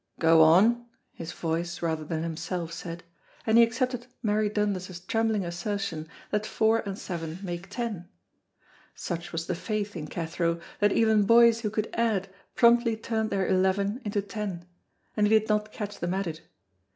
"Go on," his voice rather than himself said, and he accepted Mary Dundas's trembling assertion that four and seven make ten. Such was the faith in Cathro that even boys who could add promptly turned their eleven into ten, and he did not catch them at it.